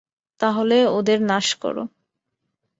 তাহলে ওদের নাশ করো।